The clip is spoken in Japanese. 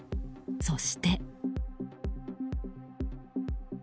そして。